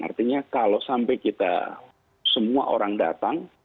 artinya kalau sampai kita semua orang datang